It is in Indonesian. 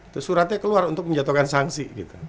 terus suratnya keluar untuk menjatuhkan sangsi